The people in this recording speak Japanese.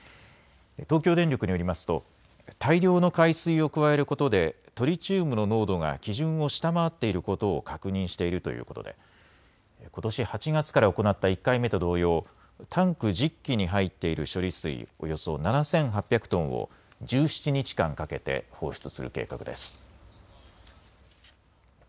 東京電力によりますと大量の海水を加えることでトリチウムの濃度が基準を下回っていることを確認しているということでことし８月から行った１回目と同様、タンク１０基に入っている処理水、およそ７８００トンを１７日間かけて放出する計画です。